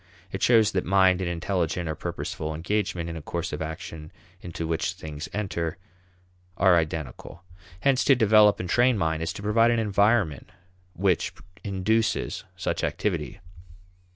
It shows that mind and intelligent or purposeful engagement in a course of action into which things enter are identical. Hence to develop and train mind is to provide an environment which induces such activity.